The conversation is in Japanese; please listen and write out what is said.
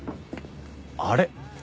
あれ？